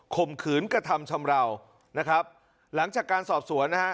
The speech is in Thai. ข่มขืนกระทำชำราวนะครับหลังจากการสอบสวนนะฮะ